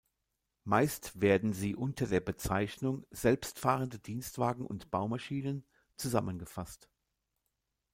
Meist werden sie unter der Bezeichnung "selbstfahrende Dienstwagen und Baumaschinen" zusammengefasst.